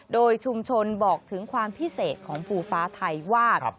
โดยชุมชนบอกถึงความพิเศษของภูฟ้าไทยว่า